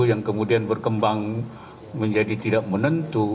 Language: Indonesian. yang kemudian berkembang menjadi tidak menentu